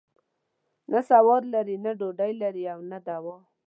نه سواد لري، نه ډوډۍ لري او نه دوا.